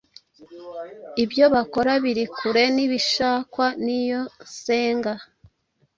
Ibyo bakora biri kure nibishakwa niyo nsenga